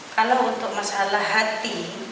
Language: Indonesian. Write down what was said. kalau untuk masalah hati